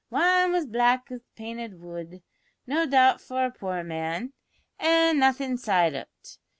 Wan was black painted wood, no doubt for a poor man, an' nothin' inside o't.